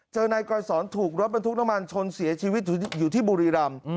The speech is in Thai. นายกรสอนถูกรถบรรทุกน้ำมันชนเสียชีวิตอยู่ที่บุรีรำ